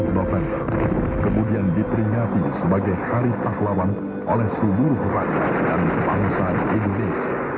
sepuluh november kemudian diperhiasi sebagai hari pahlawan oleh seluruh rakyat dan bangsa indonesia